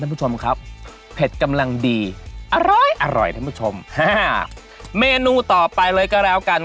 ท่านผู้ชมครับเผ็ดกำลังดีอร่อยอร่อยท่านผู้ชมห้าเมนูต่อไปเลยก็แล้วกัน